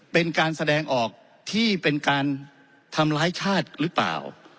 เป็นการแสดงออกที่เป็นการทำร้ายชาติหรือเปล่า